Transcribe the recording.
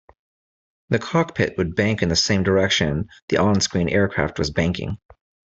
The cockpit would bank in the same direction the on-screen aircraft was banking.